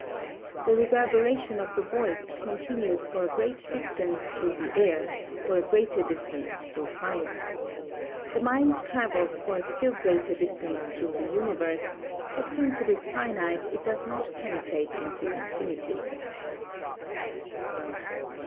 The reverberation of the voice continues for a great distance through the air; for a greater distance through fire. The mind travels for a still greater distance through the universe; but since it is finite it does not penetrate into infinity.